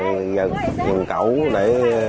một cổ để